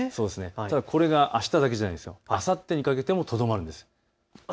ただこれがあしただけじゃなくてあさってにもとどまるんです。